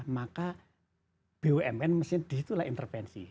maka bumn di situlah intervensi